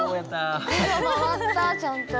今回ったちゃんと。